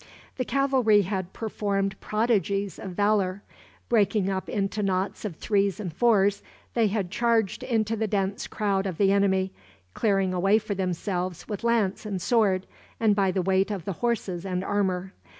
The cavalry had performed prodigies of valor. Breaking up into knots of threes and fours, they had charged into the dense crowd of the enemy; clearing a way for themselves with lance and sword, and by the weight of the horses and armor.